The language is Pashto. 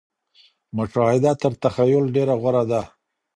مشاهده تر تخيل ډېره غوره ده.